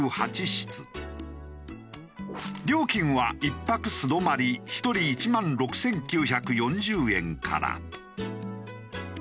料金は１泊素泊まり１人１万６９４０円から。